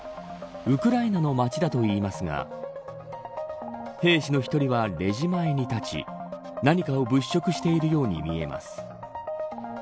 ウクライナの街といいますが兵士の１人はレジ前に立ち何かを物色しているように見えます。